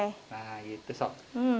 nah gitu sob